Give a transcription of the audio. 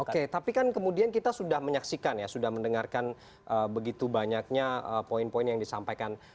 oke tapi kan kemudian kita sudah menyaksikan ya sudah mendengarkan begitu banyaknya poin poin yang disampaikan